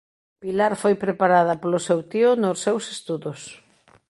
Pilar foi preparada polo seu tío nos seus estudos.